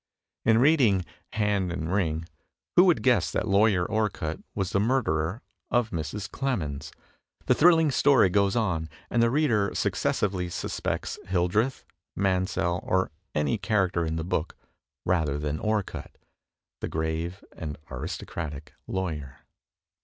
In reading "Hand and Ring," who would guess that Lawyer Orcutt was the murderer of Mrs. Clemmens? The thrilling story goes on, and the reader successively suspects Hildreth, Mansell, or any character in the book rather than Orcutt, the grave and aristocratic lawyer.